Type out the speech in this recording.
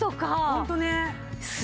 ホントね。